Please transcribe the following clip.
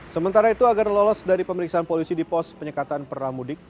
sementara itu agar lolos dari pemeriksaan polisi di pos penyekatan peramudik